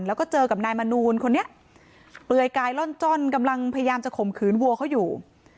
แล้วก็เจอกับนายมนูลคนนี้เปลือยกายล่อนจ้อนกำลังพยายามจะข่มขืนวัวเขาอยู่